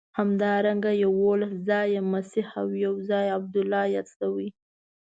همدارنګه یوولس ځایه مسیح او یو ځای عبدالله یاد شوی.